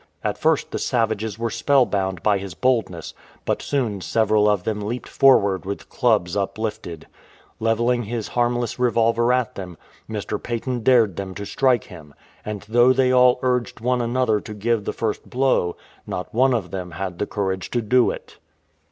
At first the savacres were spell bound by his boldness, but soon several of them leaped forward with clubs uplifted. Levelling his harm less revolver at them, Mr. Paton dared them to strike him ; and though they all urged one another to give the first blow, not one of them had the courage to do it.